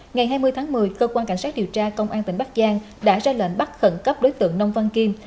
ngày hai mươi tháng một mươi cơ quan cảnh sát điều tra công an tỉnh bắc giang đã ra lệnh bắt khẩn cấp đối tượng nông văn kim